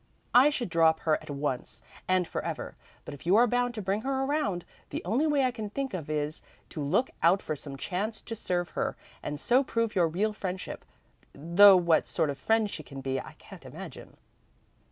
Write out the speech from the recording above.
I should drop her at once and forever; but, if you are bound to bring her around, the only way I can think of is to look out for some chance to serve her and so prove your real friendship though what sort of friend she can be I can't imagine."